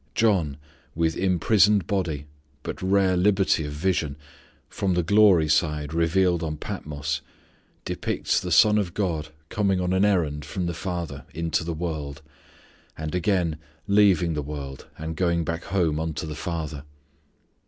John, with imprisoned body, but rare liberty of vision, from the glory side revealed on Patmos, depicts the Son of God coming on an errand from the Father into the world, and again, leaving the world and going back home unto the Father.